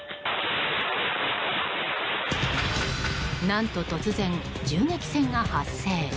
何と突然、銃撃戦が発生。